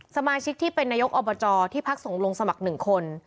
สมาชิกที่เป็นนายกอบจที่พักส่งลงสมัคร๑คน